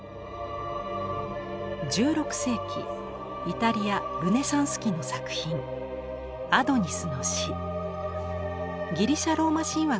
１６世紀イタリア・ルネサンス期の作品が題材です。